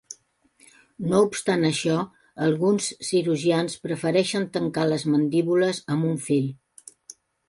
No obstant això, alguns cirurgians prefereixen tancar les mandíbules amb un fil.